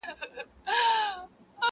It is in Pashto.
بل به څوك وي زما په شان داسي غښتلى!.